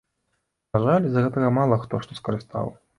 На жаль, з гэтага мала хто што скарыстаў.